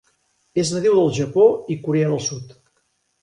És nadiu del Japó i Corea del Sud.